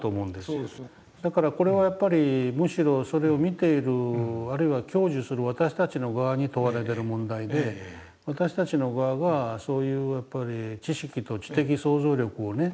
だからこれはやっぱりむしろそれを見ているあるいは享受する私たちの側に問われてる問題で私たちの側がそういう知識と知的想像力をね